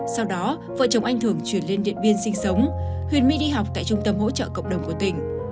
sau đó vợ chồng anh thưởng chuyển lên điện biên sinh sống huyền my đi học tại trung tâm hỗ trợ cộng đồng của tỉnh